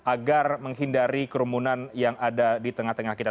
agar menghindari kerumunan yang ada di tengah tengah kita